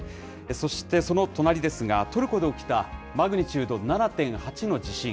そして、その隣ですが、トルコで起きたマグニチュード７．８の地震。